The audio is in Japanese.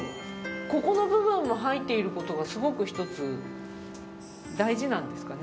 ここの部分が入っていることがすごく一つ大事なんですかね。